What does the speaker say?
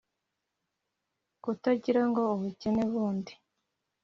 kutagira ngo ’ubukene bundi.